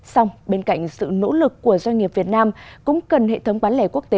xong bên cạnh sự nỗ lực của doanh nghiệp việt nam cũng cần hệ thống bán lẻ quốc tế